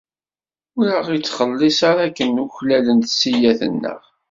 Ur aɣ-ittxelliṣ ara akken uklalent ssiyyat-nneɣ.